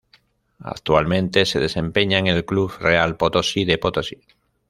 Actualmente se desempeña en el Club Real Potosí de Potosí.